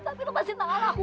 tapi lu kasih tau aku